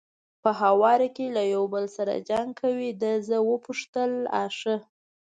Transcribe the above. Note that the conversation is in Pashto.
په هواره کې یو له بل سره جنګ کوي، ده زه وپوښتل: آ ښه.